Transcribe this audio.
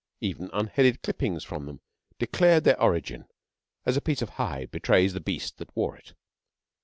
Even unheaded clippings from them declared their origin as a piece of hide betrays the beast that wore it.